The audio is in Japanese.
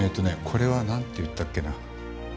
これはなんていったっけな。